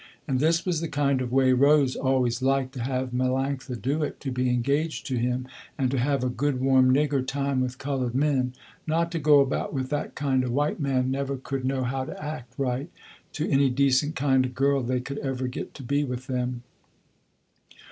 And this was the kind of way Rose always liked to have Melanctha do it, to be engaged to him, and to have a good warm nigger time with colored men, not to go about with that kind of white man, never could know how to act right, to any decent kind of girl they could ever get to be with them.